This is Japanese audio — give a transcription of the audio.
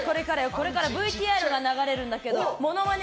これからＶＴＲが流れるんだけどモノマネ